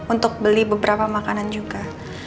untuk beli beberapa makanan juga